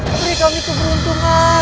beri kami keberuntungan